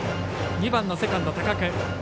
２番のセカンド高久。